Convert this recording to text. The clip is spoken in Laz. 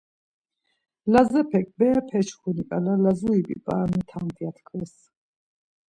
Lazepek “Berepeçkuni ǩala Lazuri bip̌aramitamt” ya tkves.